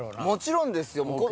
もちろんですよ。